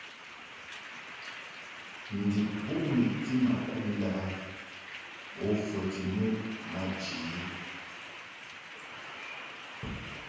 Ndib bo meʼti ma kud ndàb a bo fəti muʼ maji.